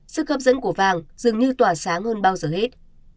sức hấp dẫn của vàng dường như tỏa sáng hơn bao giờ hết